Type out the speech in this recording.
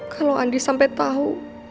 kalau andi sampai tahu